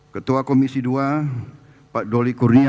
ketua komisi dua pak doli kurnia